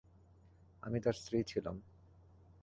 আমি তার স্ত্রী ছিলাম।